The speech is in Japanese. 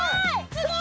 すごい！